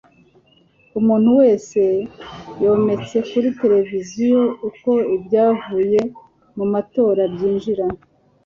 umuntu wese yometse kuri televiziyo uko ibyavuye mu matora byinjira